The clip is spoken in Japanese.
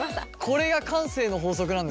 これが慣性の法則なんですね。